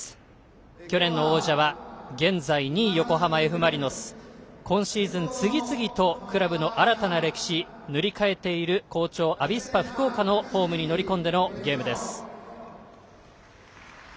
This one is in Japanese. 去年の王者は現在２位、横浜Ｆ・マリノス今シーズン次々とクラブの新たな歴史塗り替えている好調・アビスパ福岡のホームに乗り込んでのゲームです。